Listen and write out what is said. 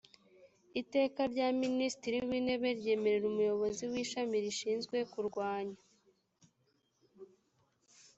iteka rya minisitiri w intebe ryemerera umuyobozi w ishami rishinzwe kurwanya